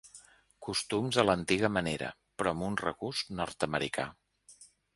Costums a l'antiga manera, però amb un regust nord-americà.